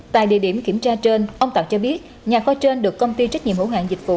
tại địa điểm kiểm tra trên ông tạng cho biết nhà kho trên được công ty trách nhiệm hữu hạng dịch vụ